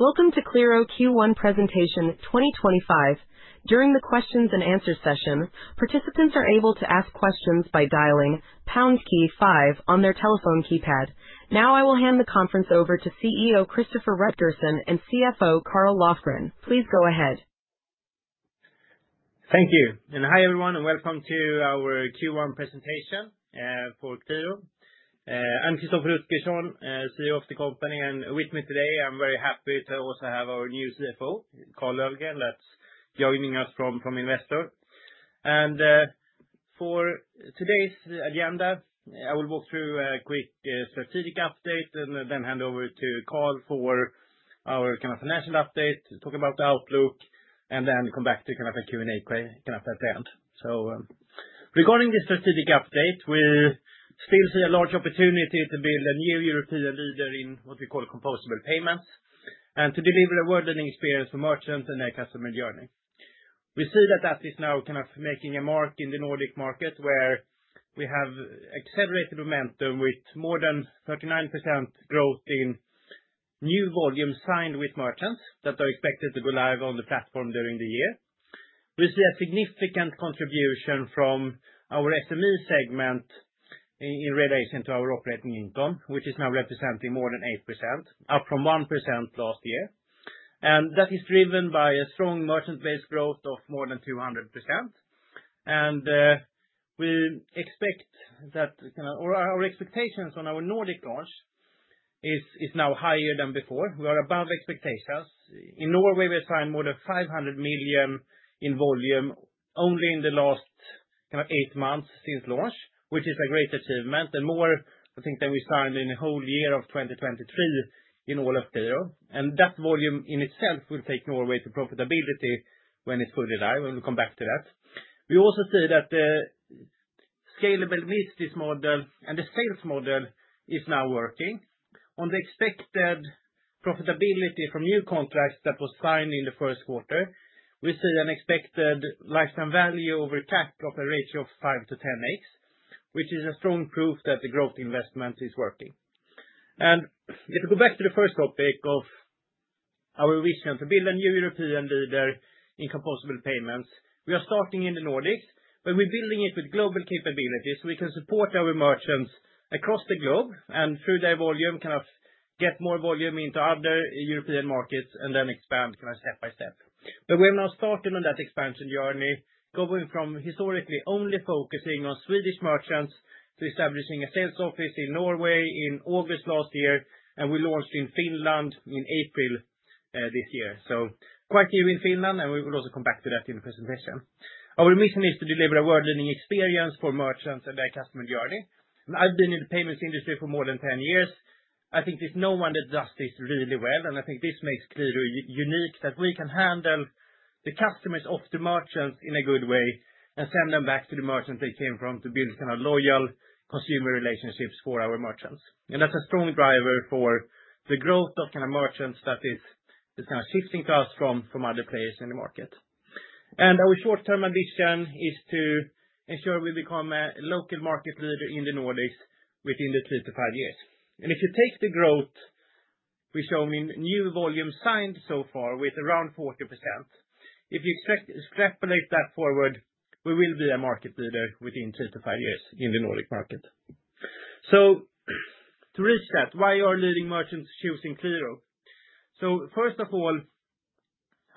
Welcome to Qliro Q1 Presentation 2025. During the Q&A session, participants are able to ask questions by dialing pound key 5 on their telephone keypad. Now, I will hand the conference over to CEO Christoffer Rutgersson and CFO Carl Löfgren. Please go ahead. Thank you, and hi everyone, and welcome to our Q1 presentation for Qliro. I'm Christoffer Rutgersson, CEO of the company, and with me today, I'm very happy to also have our new CFO, Carl Löfgren, that's joining us from Investor AB. For today's agenda, I will walk through a quick strategic update, then hand over to Carl for our kind of financial update, talk about the outlook, and then come back to kind of a Q&A at the end. Regarding the strategic update, we still see a large opportunity to build a new European leader in what we call composable payments, and to deliver a world-leading experience for merchants and their customer journey. We see that [it is] now kind of making a mark in the Nordic market, where we have accelerated momentum with more than 39% growth in new volumes signed with merchants that are expected to go live on the platform during the year. We see a significant contribution from our SME segment in relation to our operating income, which is now representing more than 8%, up from 1% last year. That is driven by a strong merchant-based growth of more than 200%. We expect that our expectations on our Nordic launch is now higher than before. We are above expectations. In Norway, we have signed more than 500 million in volume only in the last kind of eight months since launch, which is a great achievement, and more, I think, than we signed in the whole year of 2023 in all of Qliro. That volume in itself will take Norway to profitability when it's fully live, and we'll come back to that. We also see that the scalable business model and the sales model is now working. On the expected profitability from new contracts that were signed in the first quarter, we see an expected lifetime value over CAC of a ratio of 5x-10x, which is a strong proof that the growth investment is working. If we go back to the first topic of our vision to build a new European leader in composable payments, we are starting in the Nordics, but we're building it with global capabilities so we can support our merchants across the globe and through their volume kind of get more volume into other European markets and then expand kind of step by step. We have now started on that expansion journey, going from historically only focusing on Swedish merchants to establishing a sales office in Norway in August last year, and we launched in Finland in April this year. Quite new in Finland, and we will also come back to that in the presentation. Our mission is to deliver a world-leading experience for merchants and their customer journey. I've been in the payments industry for more than 10 years. I think there's no one that does this really well, and I think this makes Qliro unique that we can handle the customers of the merchants in a good way and send them back to the merchants they came from to build kind of loyal consumer relationships for our merchants. That's a strong driver for the growth of kind of merchants that is kind of shifting to us from other players in the market. Our short-term ambition is to ensure we become a local market leader in the Nordics within the three to five years. If you take the growth we've shown in new volume signed so far with around 40%, if you extrapolate that forward, we will be a market leader within three to five years in the Nordic market. To reach that, why are leading merchants choosing Qliro? First of all,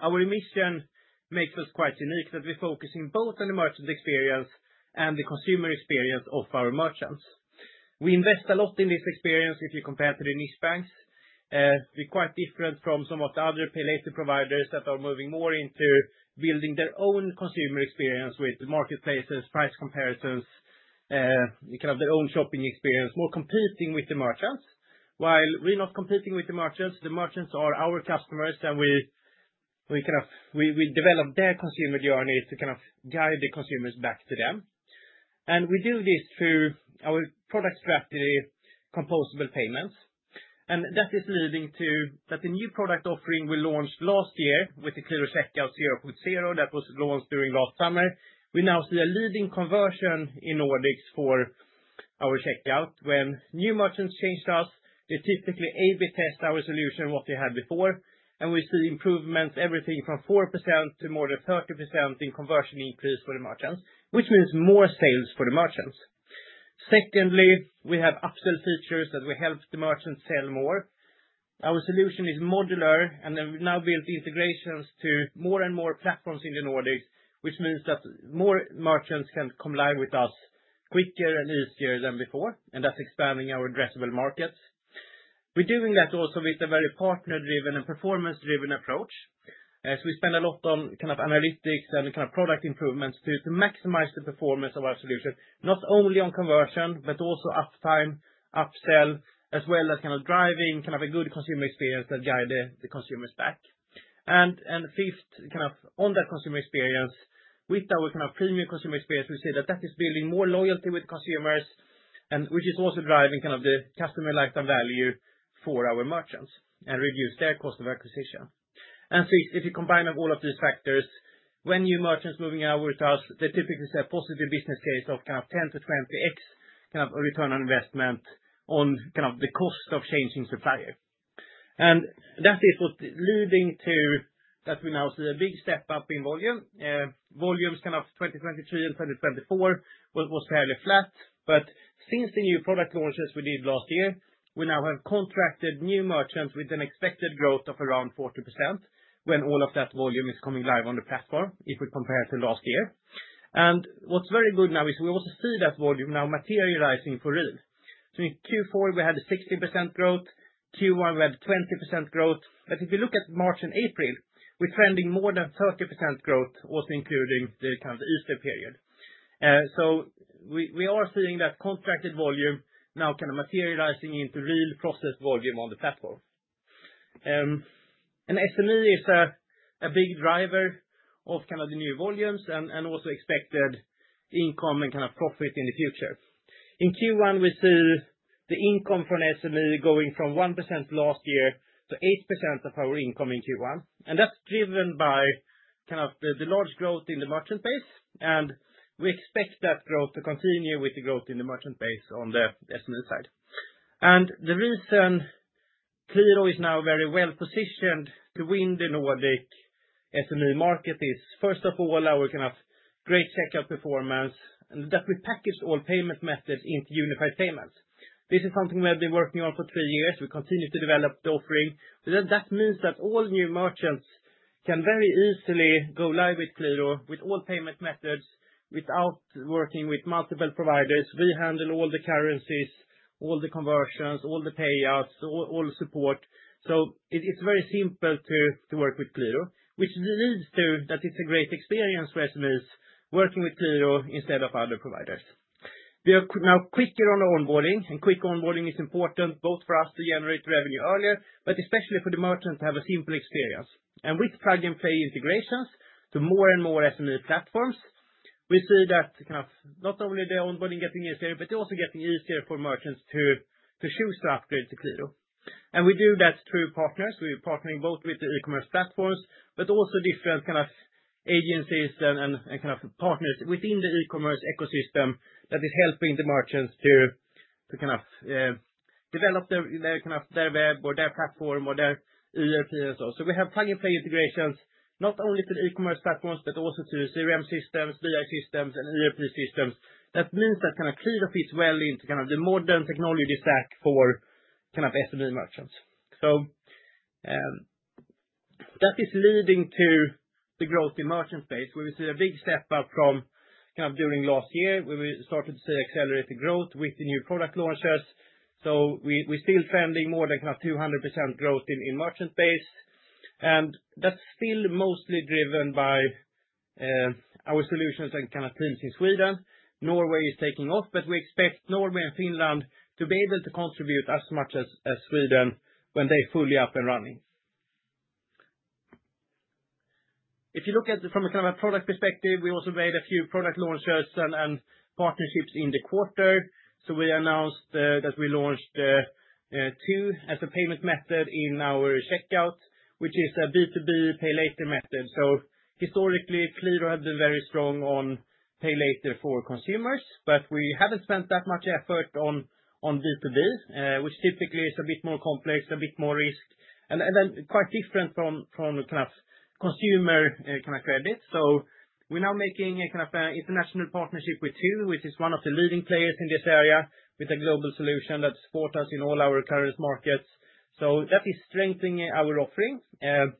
our mission makes us quite unique that we focus in both on the merchant experience and the consumer experience of our merchants. We invest a lot in this experience if you compare to the niche banks. We're quite different from some of the other paylater providers that are moving more into building their own consumer experience with marketplaces, price comparisons, kind of their own shopping experience, more competing with the merchants. While we're not competing with the merchants, the merchants are our customers, and we kind of develop their consumer journey to kind of guide the consumers back to them. We do this through our product strategy, composable payments. That is leading to the new product offering we launched last year with the Qliro Checkout 0.0 that was launched during last summer. We now see a leading conversion in Nordics for our checkout. When new merchants change to us, they typically A/B test our solution to what they had before, and we see improvements, everything from 4% to more than 30% in conversion increase for the merchants, which means more sales for the merchants. Secondly, we have upsell features that will help the merchants sell more. Our solution is modular, and we've now built integrations to more and more platforms in the Nordics, which means that more merchants can come live with us quicker and easier than before, and that's expanding our addressable markets. We are doing that also with a very partner-driven and performance-driven approach. We spend a lot on kind of analytics and kind of product improvements to maximize the performance of our solution, not only on conversion, but also uptime, upsell, as well as kind of driving kind of a good consumer experience that guides the consumers back. Fifth, kind of on that consumer experience, with our kind of premium consumer experience, we see that that is building more loyalty with consumers, which is also driving kind of the customer lifetime value for our merchants and reduces their cost of acquisition. Sixth, if you combine all of these factors, when new merchants are moving over to us, they typically see a positive business case of kind of 10x-20x kind of return on investment on kind of the cost of changing suppliers. That is what's leading to that we now see a big step up in volume. Volumes kind of 2023 and 2024 were fairly flat, but since the new product launches we did last year, we now have contracted new merchants with an expected growth of around 40% when all of that volume is coming live on the platform if we compare to last year. What is very good now is we also see that volume now materializing for real. In Q4, we had a 60% growth. Q1, we had a 20% growth. If you look at March and April, we are trending more than 30% growth, also including the kind of Easter period. We are seeing that contracted volume now kind of materializing into real process volume on the platform. SME is a big driver of kind of the new volumes and also expected income and kind of profit in the future. In Q1, we see the income from SME going from 1% last year to 8% of our income in Q1. That is driven by kind of the large growth in the merchant base, and we expect that growth to continue with the growth in the merchant base on the SME side. The reason Qliro is now very well positioned to win the Nordic SME market is, first of all, our kind of great checkout performance and that we packaged all payment methods into unified payments. This is something we have been working on for three years. We continue to develop the offering. That means that all new merchants can very easily go live with Qliro with all payment methods without working with multiple providers. We handle all the currencies, all the conversions, all the payouts, all support. It is very simple to work with Qliro, which leads to it being a great experience for SMEs working with Qliro instead of other providers. We are now quicker on the onboarding, and quick onboarding is important both for us to generate revenue earlier, but especially for the merchant to have a simple experience. With plug-and-play integrations to more and more SME platforms, we see that not only is the onboarding getting easier, but it is also getting easier for merchants to choose to upgrade to Qliro. We do that through partners. We are partnering both with the e-commerce platforms, but also different kinds of agencies and partners within the e-commerce ecosystem that are helping the merchants to develop their web or their platform or their ERP and so on. We have plug-and-play integrations not only to the e-commerce platforms, but also to CRM systems, BI systems, and ERP systems. That means that Qliro fits well into the modern technology stack for SME merchants. That is leading to the growth in the merchant base. We will see a big step up from during last year. We started to see accelerated growth with the new product launches. We're still trending more than 200% growth in merchant base. That's still mostly driven by our solutions and teams in Sweden. Norway is taking off, but we expect Norway and Finland to be able to contribute as much as Sweden when they're fully up and running. If you look at it from a kind of product perspective, we also made a few product launches and partnerships in the quarter. We announced that we launched Two as a payment method in our checkout, which is a B2B paylater method. Historically, Qliro had been very strong on Pay Later for consumers, but we have not spent that much effort on B2B, which typically is a bit more complex, a bit more risk, and then quite different from kind of consumer kind of credit. We are now making a kind of international partnership with Two, which is one of the leading players in this area with a global solution that supports us in all our current markets. That is strengthening our offering and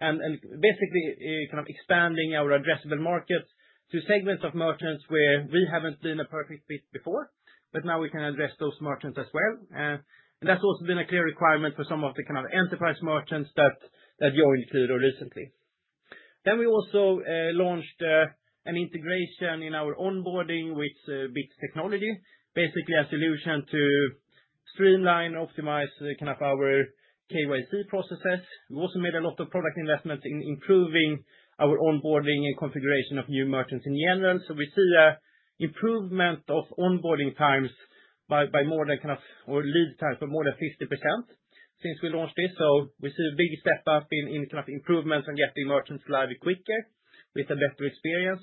basically kind of expanding our addressable markets to segments of merchants where we have not been a perfect fit before, but now we can address those merchants as well. That has also been a clear requirement for some of the kind of enterprise merchants that joined Qliro recently. We also launched an integration in our onboarding with Bits Technology, basically a solution to streamline and optimize kind of our KYC processes. We also made a lot of product investments in improving our onboarding and configuration of new merchants in general. We see an improvement of onboarding times or lead times by more than 50% since we launched this. We see a big step up in kind of improvements and getting merchants live quicker with a better experience.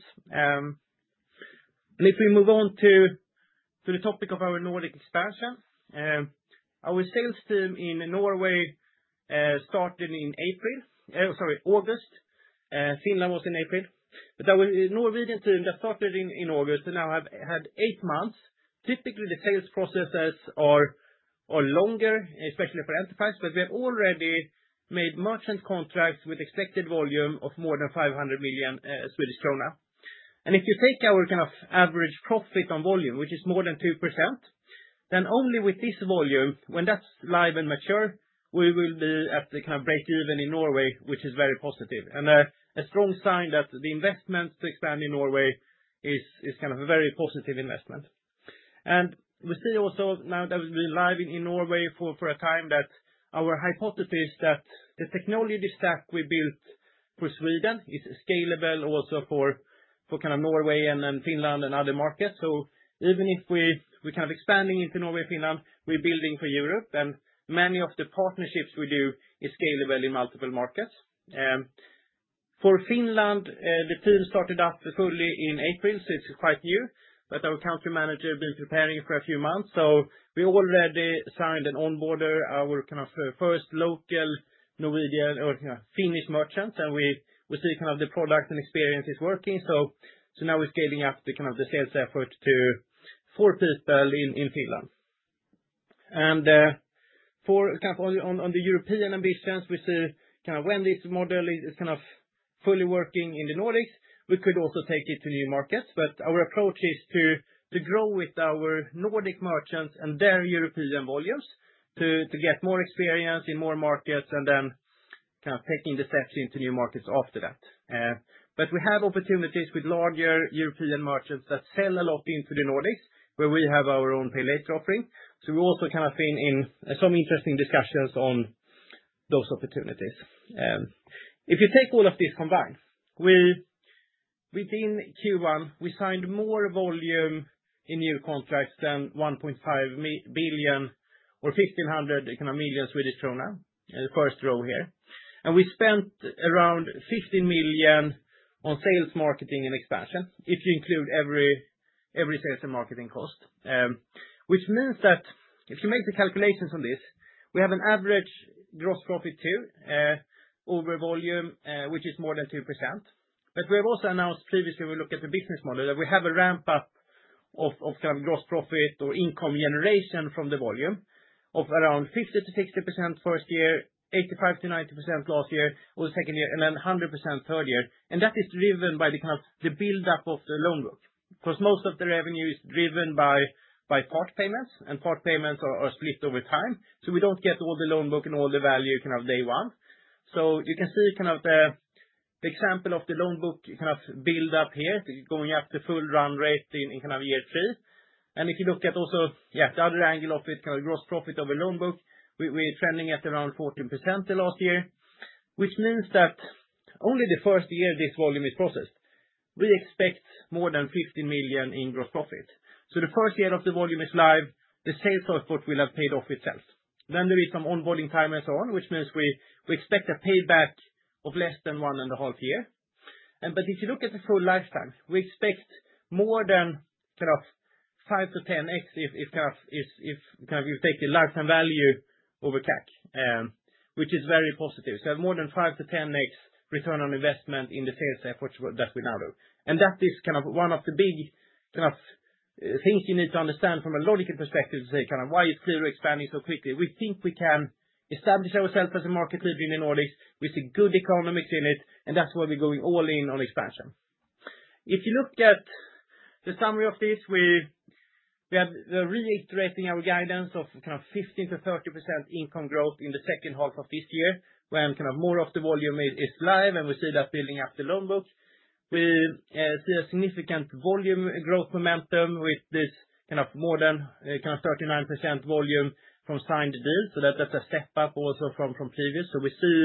If we move on to the topic of our Nordic expansion, our sales team in Norway started in August. Finland was in April. Our Norwegian team that started in August now had eight months. Typically, the sales processes are longer, especially for enterprise, but we have already made merchant contracts with expected volume of more than 500 million Swedish krona. If you take our kind of average profit on volume, which is more than 2%, then only with this volume, when that is live and mature, we will be at the kind of break-even in Norway, which is very positive and a strong sign that the investments to expand in Norway is kind of a very positive investment. We see also now that we've been live in Norway for a time that our hypothesis that the technology stack we built for Sweden is scalable also for Norway and Finland and other markets. Even if we're expanding into Norway and Finland, we're building for Europe, and many of the partnerships we do are scalable in multiple markets. For Finland, the team started up fully in April, so it's quite new, but our Country Manager has been preparing for a few months. We already signed and onboarded our first local Norwegian or Finnish merchants, and we see the product and experience is working. Now we're scaling up the sales effort to four people in Finland. For kind of on the European ambitions, we see kind of when this model is kind of fully working in the Nordics, we could also take it to new markets. Our approach is to grow with our Nordic merchants and their European volumes to get more experience in more markets and then kind of taking the steps into new markets after that. We have opportunities with larger European merchants that sell a lot into the Nordics, where we have our own Pay Later offering. We also kind of have been in some interesting discussions on those opportunities. If you take all of this combined, within Q1, we signed more volume in new contracts than 1.5 billion or 1,500 million Swedish krona in the first row here. We spent around 15 million on sales, marketing, and expansion if you include every sales and marketing cost, which means that if you make the calculations on this, we have an average gross profit 2 over volume, which is more than 2%. We have also announced previously, we look at the business model that we have a ramp-up of kind of gross profit or income generation from the volume of around 50-60% first year, 85-90% last year, or second year, and then 100% third year. That is driven by the kind of the build-up of the loan book, because most of the revenue is driven by part payments, and part payments are split over time. We do not get all the loan book and all the value kind of day one. You can see kind of the example of the loan book kind of build-up here going up to full run rate in kind of year three. If you look at also the other angle of it, kind of gross profit over loan book, we're trending at around 14% last year, which means that only the first year this volume is processed. We expect more than 15 million in gross profit. The first year of the volume is live, the sales of what we'll have paid off itself. There is some onboarding time and so on, which means we expect a payback of less than one and a half year. If you look at the full lifetime, we expect more than kind of 5x-10x if kind of you take the lifetime value over CAC, which is very positive. More than 5x-10x return on investment in the sales efforts that we now do. That is kind of one of the big kind of things you need to understand from a logical perspective to say kind of why is Qliro expanding so quickly. We think we can establish ourselves as a market leader in the Nordics. We see good economics in it, and that's why we're going all in on expansion. If you look at the summary of this, we are reiterating our guidance of kind of 15-30% income growth in the second half of this year when kind of more of the volume is live, and we see that building up the loan book. We see a significant volume growth momentum with this kind of more than kind of 39% volume from signed deals. That's a step up also from previous. We see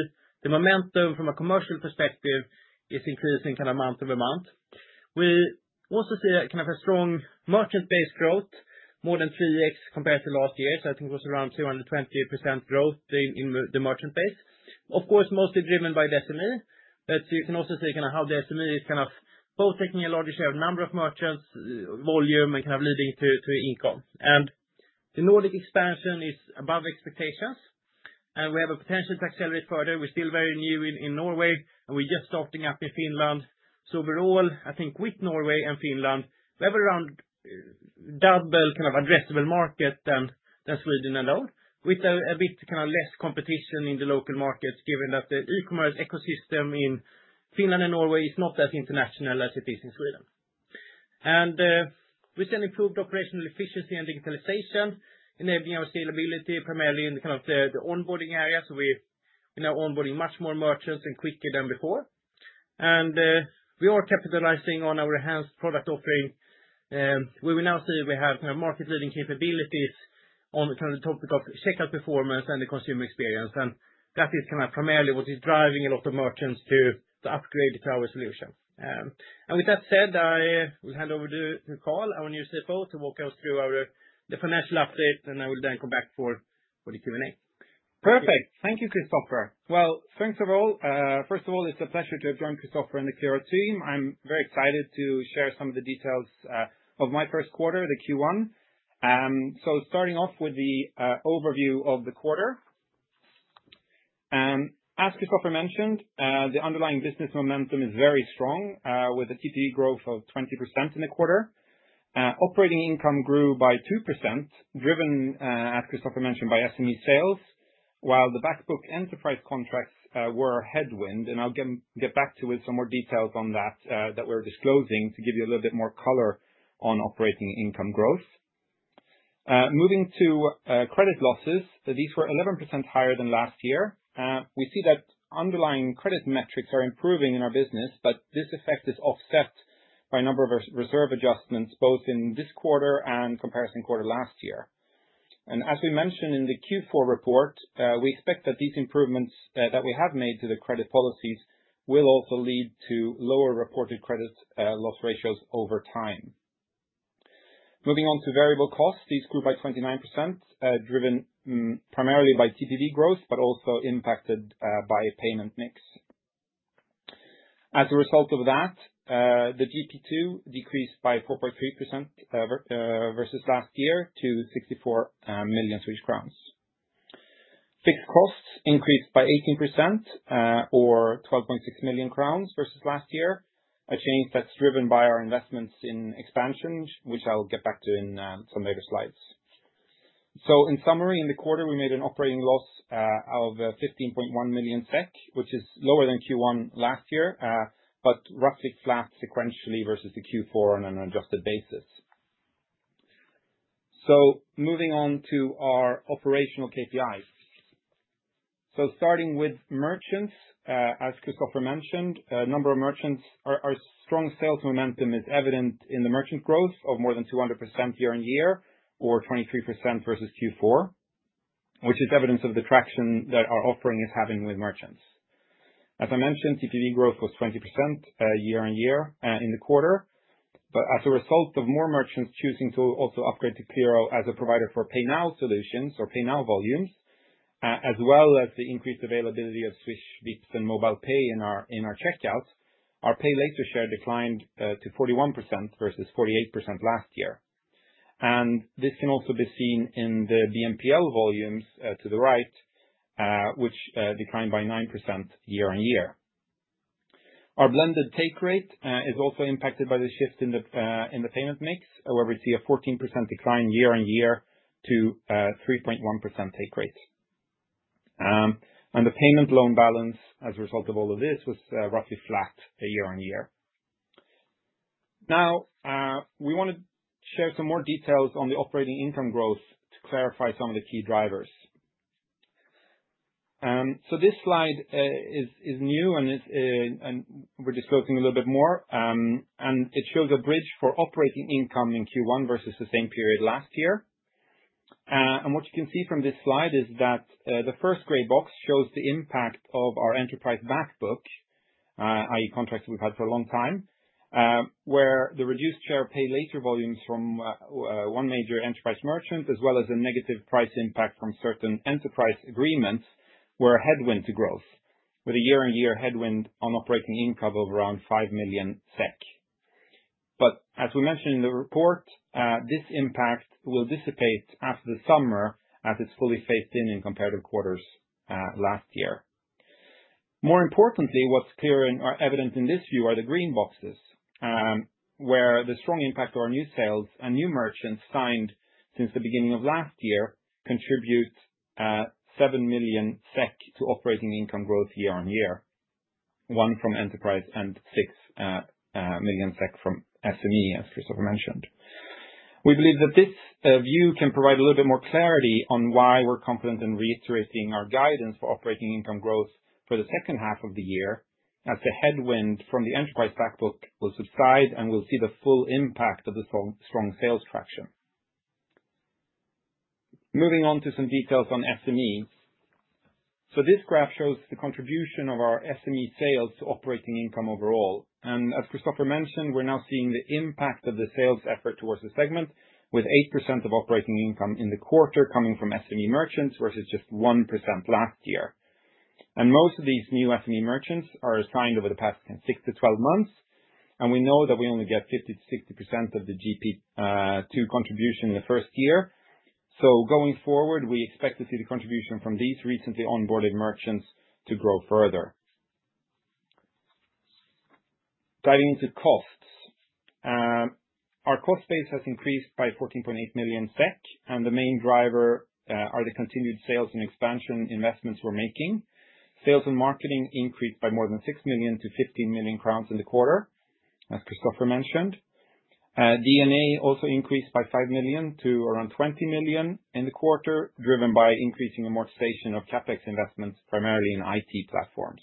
the momentum from a commercial perspective is increasing kind of month over month. We also see kind of a strong merchant-based growth, more than 3x compared to last year. I think it was around 220% growth in the merchant base. Of course, mostly driven by SME, but you can also see kind of how the SME is kind of both taking a large share of number of merchants volume and kind of leading to income. The Nordic expansion is above expectations, and we have a potential to accelerate further. We're still very new in Norway, and we're just starting up in Finland. Overall, I think with Norway and Finland, we have around double kind of addressable market than Sweden alone, with a bit kind of less competition in the local markets, given that the e-commerce ecosystem in Finland and Norway is not as international as it is in Sweden. We are seeing improved operational efficiency and digitalization, enabling our scalability primarily in the kind of the onboarding area. We are now onboarding much more merchants and quicker than before. We are capitalizing on our enhanced product offering, where we now see we have kind of market-leading capabilities on the topic of checkout performance and the consumer experience. That is kind of primarily what is driving a lot of merchants to upgrade to our solution. With that said, I will hand over to Carl, our new CFO, to walk us through our financial update. I will then come back for the Q&A. Perfect. Thank you, Christoffer. Thanks, first of all. It is a pleasure to have joined Christoffer and the Qliro team. I am very excited to share some of the details of my first quarter, the Q1. Starting off with the overview of the quarter. As Christoffer mentioned, the underlying business momentum is very strong with a TPV growth of 20% in the quarter. Operating income grew by 2%, driven, as Christoffer mentioned, by SME sales, while the backbook enterprise contracts were a headwind. I will get back to you with some more details on that, that we are disclosing to give you a little bit more color on operating income growth. Moving to credit losses, these were 11% higher than last year. We see that underlying credit metrics are improving in our business, but this effect is offset by a number of reserve adjustments, both in this quarter and comparison quarter last year. As we mentioned in the Q4 report, we expect that these improvements that we have made to the credit policies will also lead to lower reported credit loss ratios over time. Moving on to variable costs, these grew by 29%, driven primarily by TPV growth, but also impacted by payment mix. As a result of that, the GP2 decreased by 4.3% versus last year to 64 million Swedish crowns. Fixed costs increased by 18% or 12.6 million crowns versus last year, a change that is driven by our investments in expansion, which I'll get back to in some later slides. In summary, in the quarter, we made an operating loss of 15.1 million SEK, which is lower than Q1 last year, but roughly flat sequentially versus Q4 on an adjusted basis. Moving on to our operational KPIs. Starting with merchants, as Christoffer mentioned, a number of merchants, our strong sales momentum is evident in the merchant growth of more than 200% year on year or 23% versus Q4, which is evidence of the traction that our offering is having with merchants. As I mentioned, TPV growth was 20% year on year in the quarter. As a result of more merchants choosing to also upgrade to Qliro as a provider for Pay Now solutions or Pay Now volumes, as well as the increased availability of Swish, Vipps, and MobilePay in our checkout, our Pay Later share declined to 41% versus 48% last year. This can also be seen in the BNPL volumes to the right, which declined by 9% year-on-year. Our blended take rate is also impacted by the shift in the payment mix. However, we see a 14% decline year on year to 3.1% take rate. The payment loan balance, as a result of all of this, was roughly flat year on year. We want to share some more details on the operating income growth to clarify some of the key drivers. This slide is new, and we're disclosing a little bit more. It shows a bridge for operating income in Q1 versus the same period last year. What you can see from this slide is that the first gray box shows the impact of our enterprise backbook, i.e., contracts we've had for a long time, where the reduced share of Pay Later volumes from one major enterprise merchant, as well as a negative price impact from certain enterprise agreements, were a headwind to growth, with a year-on-year headwind on operating income of around 5 million SEK. As we mentioned in the report, this impact will dissipate after the summer as it is fully phased in in comparative quarters last year. More importantly, what is clear and evident in this view are the green boxes, where the strong impact of our new sales and new merchants signed since the beginning of last year contribute 7 million SEK to operating income growth year on year, one from enterprise and 6 million SEK from SME, as Christoffer mentioned. We believe that this view can provide a little bit more clarity on why we're confident in reiterating our guidance for operating income growth for the second half of the year, as the headwind from the enterprise backbook will subside and we'll see the full impact of the strong sales traction. Moving on to some details on SMEs. This graph shows the contribution of our SME sales to operating income overall. As Christoffer mentioned, we're now seeing the impact of the sales effort towards the segment, with 8% of operating income in the quarter coming from SME merchants versus just 1% last year. Most of these new SME merchants are assigned over the past 6-12 months. We know that we only get 50-60% of the GP2 contribution in the first year. Going forward, we expect to see the contribution from these recently onboarded merchants to grow further. Diving into costs. Our cost base has increased by 14.8 million SEK, and the main driver are the continued sales and expansion investments we're making. Sales and marketing increased by more than 6 million to 15 million crowns in the quarter, as Christoffer mentioned. D&A also increased by 5 million to around 20 million in the quarter, driven by increasing amortization of CapEx investments, primarily in IT platforms.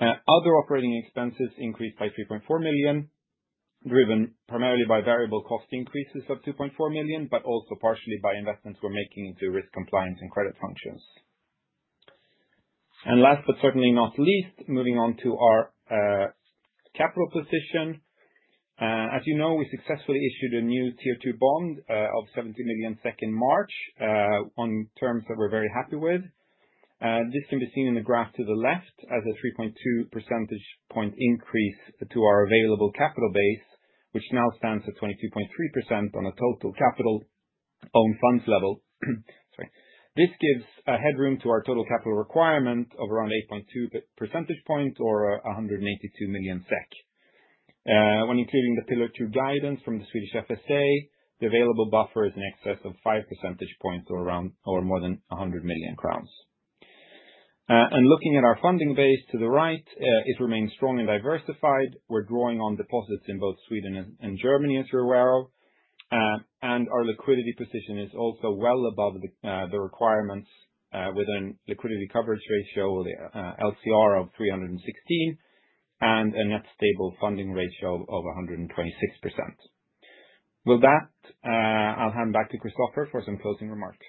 Other operating expenses increased by 3.4 million, driven primarily by variable cost increases of 2.4 million, but also partially by investments we're making into risk compliance and credit functions. Last but certainly not least, moving on to our capital position. As you know, we successfully issued a new tier two bond of 70 million in March on terms that we're very happy with. This can be seen in the graph to the left as a 3.2 percentage point increase to our available capital base, which now stands at 22.3% on a total capital-owned funds level. This gives headroom to our total capital requirement of around 8.2 percentage points or 182 million SEK. When including the pillar two guidance from the Swedish FSA, the available buffer is in excess of 5 percentage points or more than 100 million crowns. Looking at our funding base to the right, it remains strong and diversified. We are drawing on deposits in both Sweden and Germany, as you are aware of. Our liquidity position is also well above the requirements with a liquidity coverage ratio, LCR, of 316%, and a net stable funding ratio of 126%. With that, I will hand back to Christoffer for some closing remarks.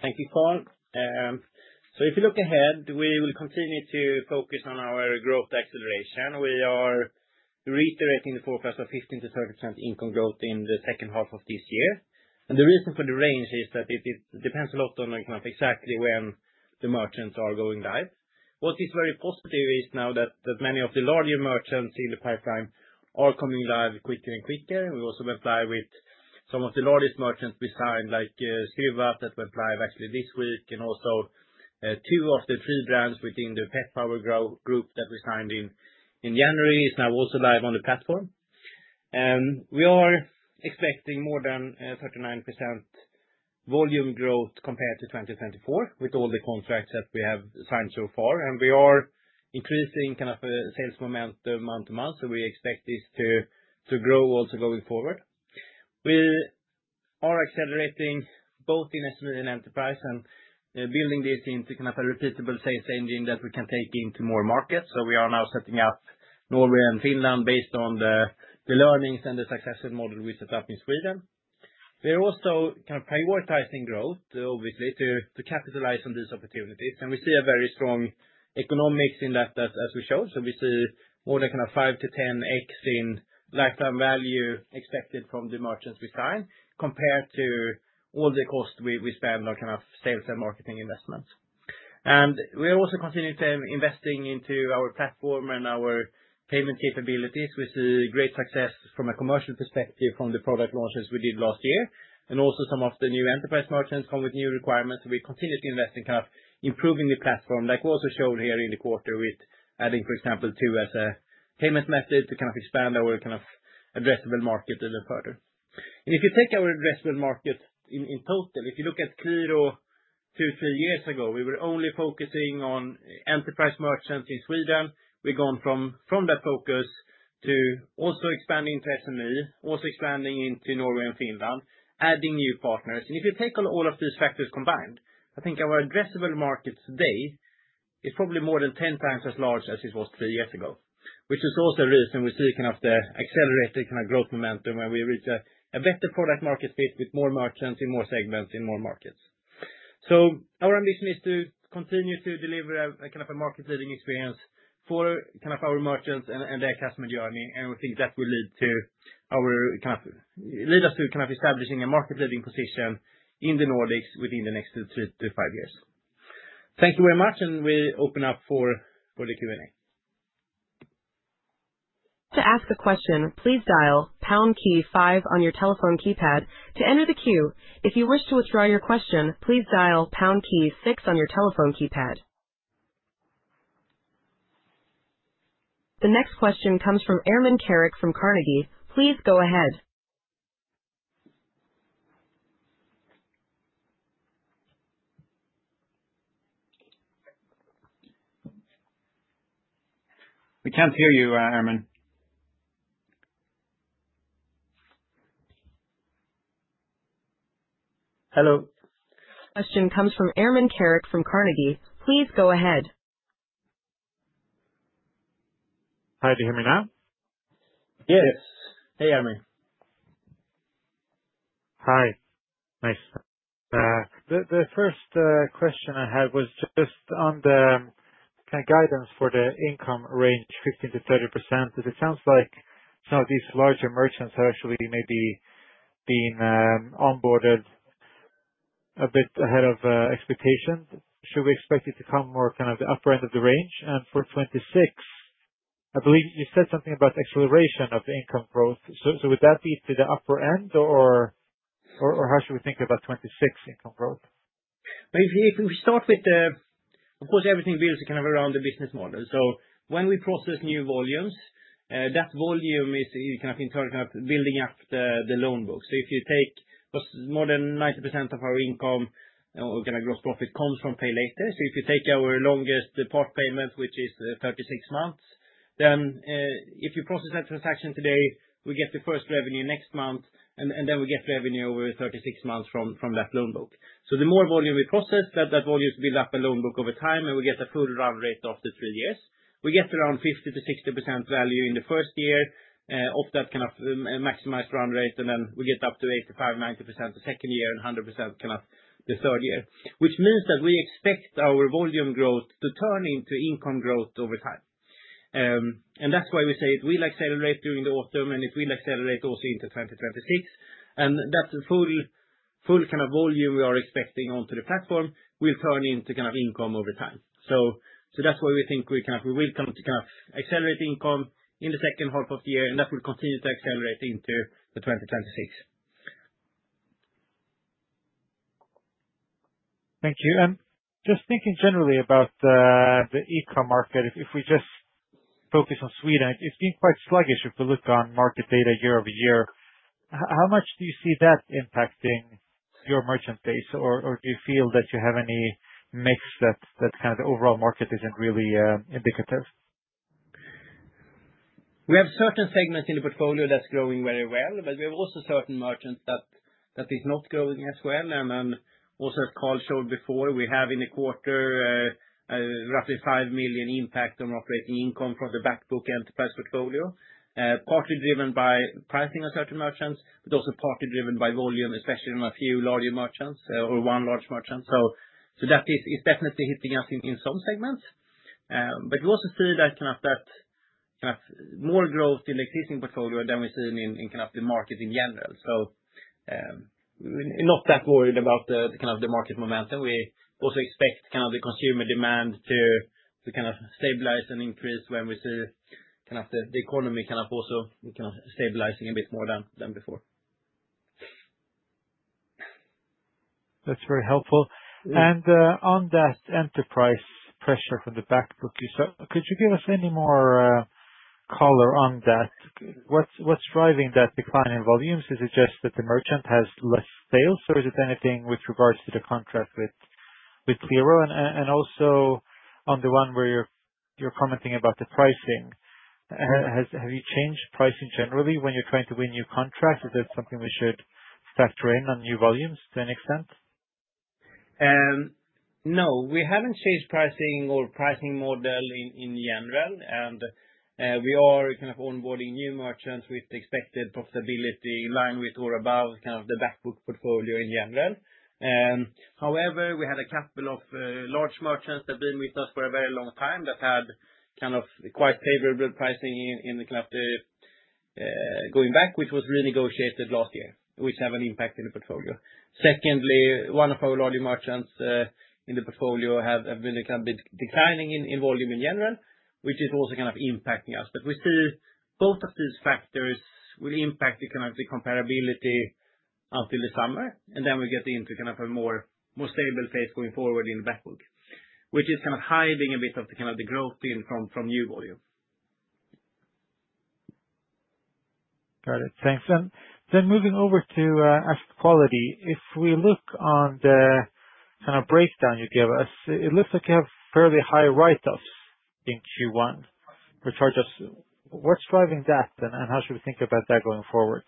Thank you, Carl. If you look ahead, we will continue to focus on our growth acceleration. We are reiterating the forecast of 15-30% income growth in the second half of this year. The reason for the range is that it depends a lot on kind of exactly when the merchants are going live. What is very positive is now that many of the larger merchants in the pipeline are coming live quicker and quicker. We also went live with some of the largest merchants we signed, like Skruvat, that went live actually this week. Also, two of the three brands within the Pet Pawr Group that we signed in in January is now also live on the platform. We are expecting more than 39% volume growth compared to 2024 with all the contracts that we have signed so far. We are increasing kind of sales momentum month to month, so we expect this to grow also going forward. We are accelerating both in SME and enterprise and building this into kind of a repeatable sales engine that we can take into more markets. We are now setting up Norway and Finland based on the learnings and the successful model we set up in Sweden. We are also kind of prioritizing growth, obviously, to capitalize on these opportunities. We see a very strong economics in that, as we showed. We see more than kind of 5x-10x in lifetime value expected from the merchants we sign compared to all the costs we spend on kind of sales and marketing investments. We are also continuing to invest into our platform and our payment capabilities. We see great success from a commercial perspective from the product launches we did last year. Also, some of the new enterprise merchants come with new requirements. We continue to invest in kind of improving the platform, like we also showed here in the quarter with adding, for example, Two as a payment method to kind of expand our kind of addressable market even further. If you take our addressable market in total, if you look at Qliro two to three years ago, we were only focusing on enterprise merchants in Sweden. We've gone from that focus to also expanding into SME, also expanding into Norway and Finland, adding new partners. If you take all of these factors combined, I think our addressable market today is probably more than 10 times as large as it was three years ago, which is also a reason we see kind of the accelerated kind of growth momentum when we reach a better product market fit with more merchants in more segments in more markets. Our ambition is to continue to deliver a kind of a market-leading experience for kind of our merchants and their customer journey. We think that will lead to our kind of lead us to kind of establishing a market-leading position in the Nordics within the next three to five years. Thank you very much, and we open up for the Q&A. To ask a question, please dial pound key five on your telephone keypad to enter the queue. If you wish to withdraw your question, please dial pound key six on your telephone keypad. The next question comes from Ermin Keric from Carnegie. Please go ahead. We can't hear you, Ermin. Hello. Question comes from Ermin Keric from Carnegie. Please go ahead. Hi, do you hear me now? Yes. Hey, Ermin. Hi. Nice. The first question I had was just on the kind of guidance for the income range, 15%-30%. It sounds like some of these larger merchants have actually maybe been onboarded a bit ahead of expectations. Should we expect it to come more kind of the upper end of the range? For 2026, I believe you said something about acceleration of income growth. Would that be to the upper end, or how should we think about 2026 income growth? If we start with, of course, everything builds kind of around the business model. When we process new volumes, that volume is kind of in turn kind of building up the loan book. If you take more than 90% of our income, kind of gross profit comes from Pay Later. If you take our longest part payment, which is 36 months, if you process that transaction today, we get the first revenue next month, and then we get revenue over 36 months from that loan book. The more volume we process, that volume builds up a loan book over time, and we get a full run rate after three years. We get around 50%-60% value in the first year of that kind of maximized run rate, and then we get up to 85%-90% the second year and 100% kind of the third year, which means that we expect our volume growth to turn into income growth over time. That is why we say it will accelerate during the autumn, and it will accelerate also into 2026. That full kind of volume we are expecting onto the platform will turn into kind of income over time. That is why we think we kind of will kind of accelerate income in the second half of the year, and that will continue to accelerate into 2026. Thank you. Just thinking generally about the e-com market, if we just focus on Sweden, it has been quite sluggish if we look on market data year-over-year. How much do you see that impacting your merchant base, or do you feel that you have any mix that kind of the overall market is not really indicative? We have certain segments in the portfolio that's growing very well, but we have also certain merchants that is not growing as well. Also, as Carl showed before, we have in the quarter roughly 5 million impact on operating income from the backbook enterprise portfolio, partly driven by pricing of certain merchants, but also partly driven by volume, especially on a few larger merchants or one large merchant. That is definitely hitting us in some segments. We also see that kind of more growth in the existing portfolio than we've seen in kind of the market in general. Not that worried about kind of the market momentum. We also expect kind of the consumer demand to kind of stabilize and increase when we see kind of the economy kind of also kind of stabilizing a bit more than before. That's very helpful. On that enterprise pressure from the backbook, could you give us any more color on that? What's driving that decline in volumes? Is it just that the merchant has less sales? Is it anything with regards to the contract with Qliro? Also, on the one where you're commenting about the pricing, have you changed pricing generally when you're trying to win new contracts? Is that something we should factor in on new volumes to an extent? No, we haven't changed pricing or pricing model in general. We are kind of onboarding new merchants with expected profitability in line with or above kind of the backbook portfolio in general. However, we had a couple of large merchants that have been with us for a very long time that had kind of quite favorable pricing in kind of the going back, which was renegotiated last year, which has an impact in the portfolio. Secondly, one of our larger merchants in the portfolio have been kind of declining in volume in general, which is also kind of impacting us. We see both of these factors will impact the kind of comparability until the summer. We get into kind of a more stable phase going forward in the backbook, which is kind of hiding a bit of the kind of the growth in from new volume. Got it. Thanks. Moving over to actual quality, if we look on the kind of breakdown you gave us, it looks like you have fairly high write-offs in Q1, which are just what's driving that, and how should we think about that going forward?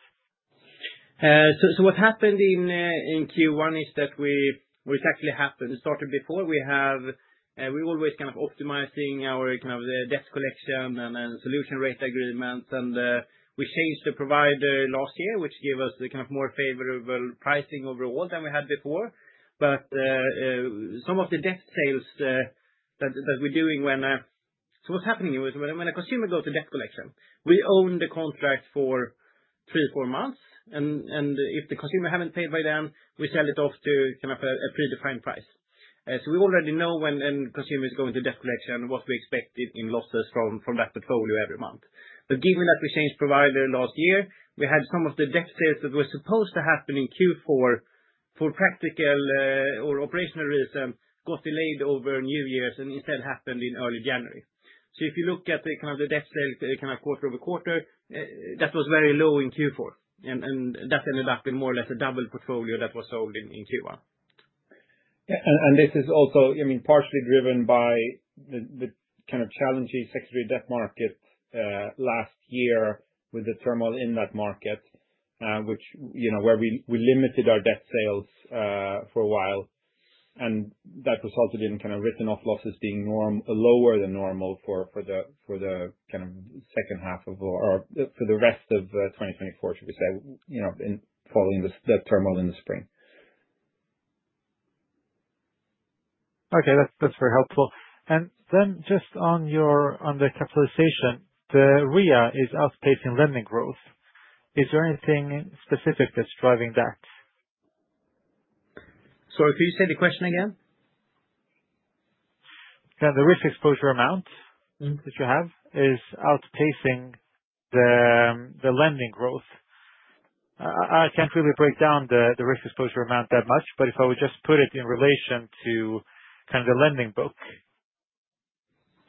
What happened in Q1 is that it actually happened. It started before. We always kind of optimizing our kind of debt collection and solution rate agreements. We changed the provider last year, which gave us kind of more favorable pricing overall than we had before. Some of the debt sales that we're doing, what's happening is when a consumer goes to debt collection, we own the contract for three or four months. If the consumer hasn't paid by then, we sell it off to a predefined price. We already know when a consumer is going to debt collection what we expect in losses from that portfolio every month. Given that we changed provider last year, we had some of the debt sales that were supposed to happen in Q4 for practical or operational reason got delayed over New Year's and instead happened in early January. If you look at the kind of the debt sales kind of quarter over quarter, that was very low in Q4. That ended up in more or less a double portfolio that was sold in Q1. This is also, I mean, partially driven by the kind of challenging secondary debt market last year with the turmoil in that market, which where we limited our debt sales for a while. That resulted in kind of written-off losses being lower than normal for the kind of second half of or for the rest of 2024, should we say, following the turmoil in the spring. Okay. That's very helpful. Just on the capitalization, the REA is outpacing lending growth. Is there anything specific that's driving that? Sorry, could you say the question again? Yeah, the risk exposure amount that you have is outpacing the lending growth. I can't really break down the risk exposure amount that much, but if I would just put it in relation to kind of the lending book,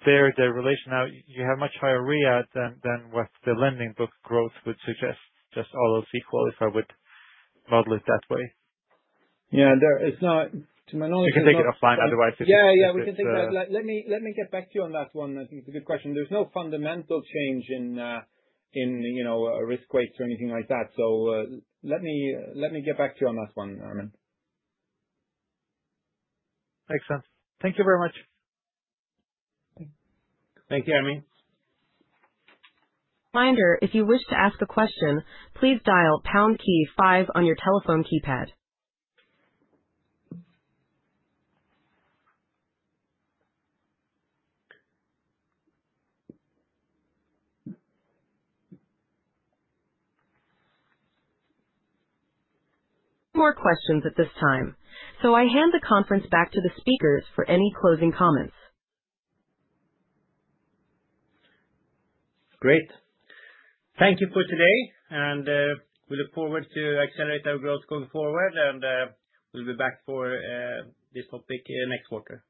there's a relation. Now, you have much higher REA than what the lending book growth would suggest, just almost equal if I would model it that way. Yeah, it's not, to my knowledge. We can take it offline, otherwise. Yeah, yeah, we can take that. Let me get back to you on that one. I think it's a good question. There's no fundamental change in risk weights or anything like that. Let me get back to you on that one, Ermin. Makes sense. Thank you very much. Thank you, Ermin. Reminder, if you wish to ask a question, please dial pound key five on your telephone keypad. No more questions at this time. I hand the conference back to the speakers for any closing comments. Great. Thank you for today. We look forward to accelerating our growth going forward. We will be back for this topic next quarter.